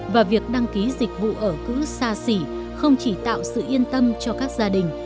và việc đăng ký dịch vụ ở cứ xa xỉ không chỉ tạo sự yên tâm cho các gia đình